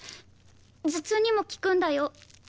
頭痛にも効くんだよ。